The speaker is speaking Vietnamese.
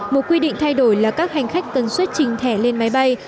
một quy định thay đổi là các hành khách cần xuất trình thẻ lên máy bay